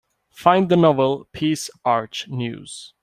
Find the novel Peace Arch News